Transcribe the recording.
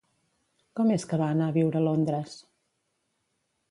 Com és que va anar a viure a Londres?